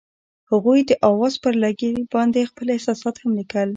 هغوی د اواز پر لرګي باندې خپل احساسات هم لیکل.